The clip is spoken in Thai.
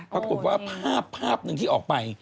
ปรากฏว่าภาพหนึ่งที่ออกไป